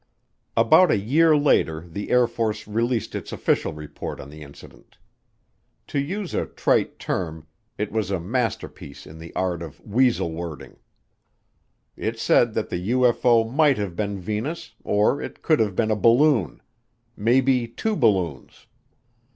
About a year later the Air Force released its official report on the incident. To use a trite term, it was a masterpiece in the art of "weasel wording." It said that the UFO might have been Venus or it could have been a balloon. Maybe two balloons.